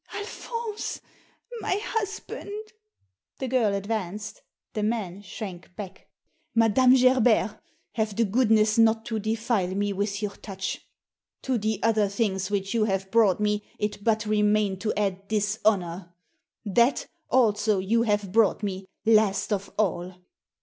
" Alphonse !— my husband !" The girl advanced. The man shrank back. " Madame Gerbert, have the goodness not to defile me with your touch. To the other things which you have brought me it but remained to add dishonour. That, also, you have brought me, last of all.